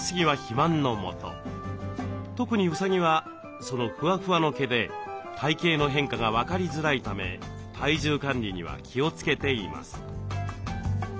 特にうさぎはそのふわふわの毛で体形の変化が分かりづらいため体重管理には気をつけています。